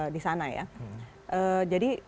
disana ya jadi